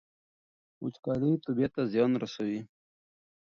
وچکالي طبیعت ته زیان رسوي.